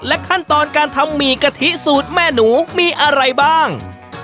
ขั้นตอนการทำหมี่กะทิสูตรแม่หนูมีอะไรบ้าง